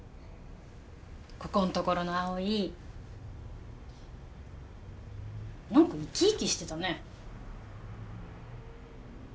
ここんところの葵なんか生き生きしてたね。